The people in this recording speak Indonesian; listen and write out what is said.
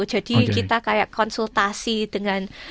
jadi kita kayak konsultasi dengan